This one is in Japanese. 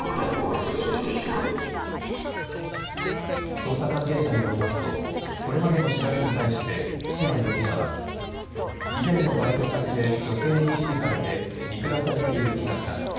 捜査関係者によりますと、これまでの調べに対して對馬容疑者は、以前のバイト先で女性に指示されて見下されている気がした。